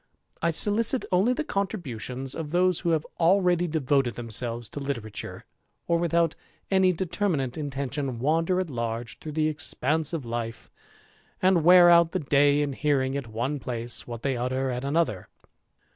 I solicit only the contributions of those who have already devoted themselves to literature, or, without any determinate intention, wander at large through the expanse of life, and wear out the day in hearing at one place what they utter at another.